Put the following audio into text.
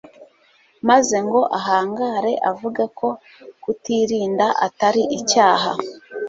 maze ngo ahangare avuge ko kutirinda atari icyaha